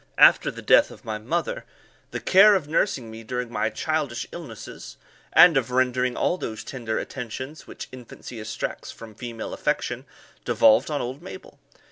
After the death of my mother, the care of nursing me during my childish illnesses, and of rendering all those tender attentions which infancy exacts from female affection, devolved on old Mabel.